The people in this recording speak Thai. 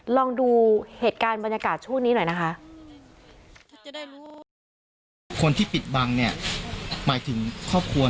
ลองดูเหตุการณ์บรรยากาศช่วงนี้หน่อยนะคะ